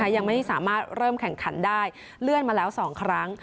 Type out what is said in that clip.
ยังไม่สามารถเริ่มแข่งขันได้เลื่อนมาแล้ว๒ครั้ง